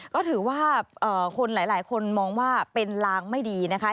ก็ถือว่าคนหลายคนมองว่าเป็นลางไม่ดีนะคะ